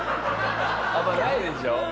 あんまないでしょ？